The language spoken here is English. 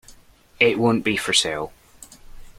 It won't be for sale.